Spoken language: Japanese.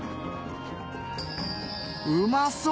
うまそう！